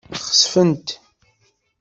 Xesfent.